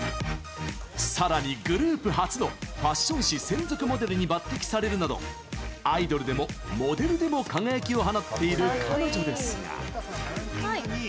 さらに、グループ初のファッション誌専属モデルに抜てきされるなどアイドルでもモデルでも輝きを放っている彼女ですが。